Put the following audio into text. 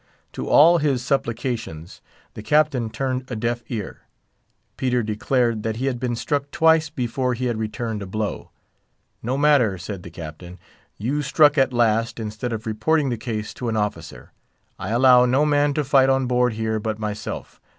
To all his supplications the Captain turned a deaf ear. Peter declared that he had been struck twice before he had returned a blow. "No matter," said the Captain, "you struck at last, instead of reporting the case to an officer. I allow no man to fight on board here but myself.